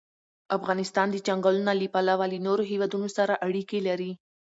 افغانستان د چنګلونه له پلوه له نورو هېوادونو سره اړیکې لري.